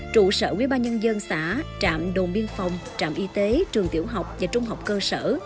trụ sở quý ba nhân dân xã trạm đồn biên phòng trạm y tế trường tiểu học và trung học cơ sở